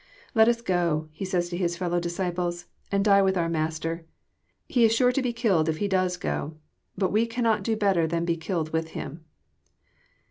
«' Let us go," he says to his fellow dlsciples, " and die with our Master. He is sure to be killed if He does go; but we cannot do better than be killed with him."